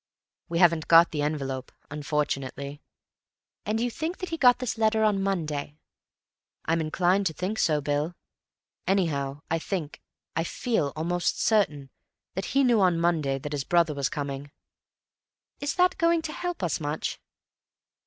"We haven't got the envelope, unfortunately." "And you think that he got this letter on Monday." "I'm inclined to think so, Bill. Anyhow, I think—I feel almost certain—that he knew on Monday that his brother was coming." "Is that going to help us much?"